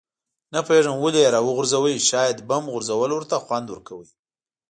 نه پوهېږم ولې یې راوغورځاوه، شاید بم غورځول ورته خوند ورکاوه.